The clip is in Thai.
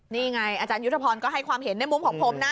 นี่ไงอาจารยุทธพรก็ให้ความเห็นในมุมของผมนะ